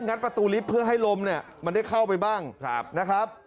ัดประตูลิฟต์เพื่อให้ลมเนี่ยมันได้เข้าไปบ้างนะครับ